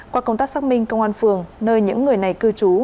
qua công tác xác minh công an phường nơi những người này cư trú